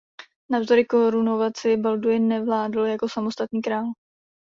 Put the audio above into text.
Navzdory korunovaci Balduin nevládl jako samostatný král.